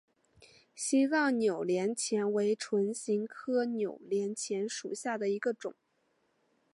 西藏扭连钱为唇形科扭连钱属下的一个种。